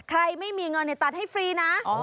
ใครไม่มีเงินเนี่ยตัดให้ฟรีนะ